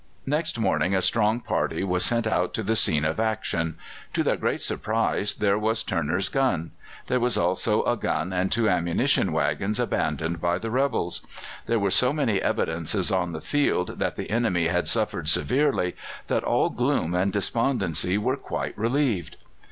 Next morning a strong party was sent out to the scene of action. To their great surprise, there was Turner's gun; there also a gun and two ammunition waggons abandoned by the rebels. There were so many evidences on the field that the enemy had suffered severely that all gloom and despondency were quite relieved.